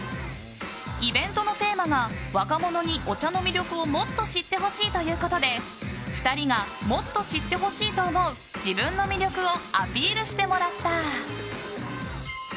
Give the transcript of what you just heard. イベントのテーマが若者にお茶の魅力をもっと知ってほしいということで２人がもっと知ってほしいと思う自分の魅力をアピールしてもらった。